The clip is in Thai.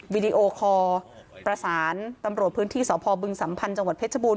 วิดีโอคอร์ประสานตำรวจพื้นที่สพบึงสัมพันธ์จังหวัดเพชรบูร